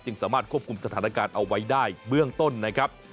สามารถควบคุมสถานการณ์เอาไว้ได้เบื้องต้นนะครับ